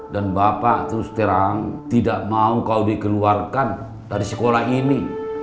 dan bapak terus terang tidak mau kau dikeluarkan dari sekolah ini